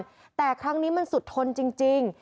ห้ามได้ก็ห้ามแต่ครั้งนี้มันสุดทนจริง